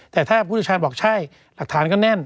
แต่ถ้าผู้เชี่ยวชาญบอกใช่หลักฐานก็แน่น